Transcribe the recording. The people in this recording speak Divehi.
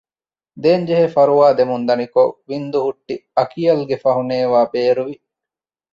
ދޭންޖެހޭ ފަރުވާދެމުން ދަނިކޮށް ވިންދުހުއްޓި އަކިޔަލްގެ ފަހުނޭވާ ބޭރުވި